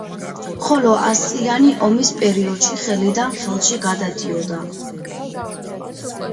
ხოლო ასწლიანი ომის პერიოდში ხელიდან ხელში გადადიოდა.